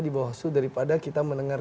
di bawah su daripada kita mendengar